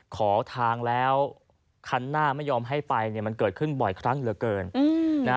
ขอทางแล้วคันหน้าไม่ยอมให้ไปเนี่ยมันเกิดขึ้นบ่อยครั้งเหลือเกินนะฮะ